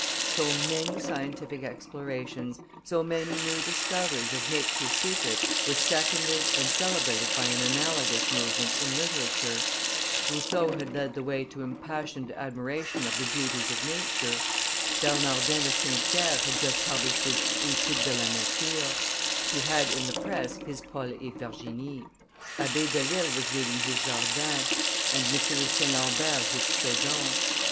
So many scientific explorations, so many new discoveries of nature's secrets were seconded and celebrated by an analogous movement in literature. Rousseau had led the way to impassioned admiration of the beauties of nature; Bernardin de St. Pierre had just published his Etudes de la Nature; he had in the press his Paul et Virginie; Abbe Delille was reading his Jardin, and M. de St. Lambert his Saisons.